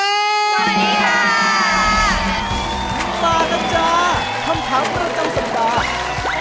ตลาดนะจ๊ะคำถามพระเจ้าสมดา